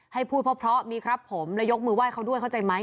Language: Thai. ให้พูดเพราะมีครับผมแล้วยกมือไห้เขาด้วยเข้าใจไหม